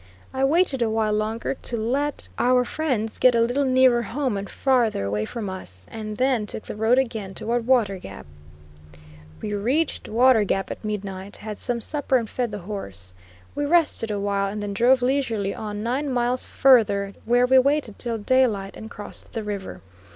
I waited a while longer to let our friend's get a little nearer home and further away from us, and then took the road again toward Water Gap. We reached Water Gap at midnight, had some supper and fed the horse. We rested awhile, and then drove leisurely on nine miles further, where we waited till daylight and crossed the river.